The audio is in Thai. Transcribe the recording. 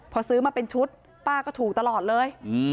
พอซื้อมาเป็นชุดป้าก็ถูกตลอดเลย